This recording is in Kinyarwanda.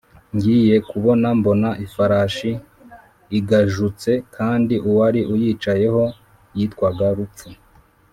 Ngiye kubona mbona ifarashi igajutse kandi uwari uyicayeho yitwaga Rupfu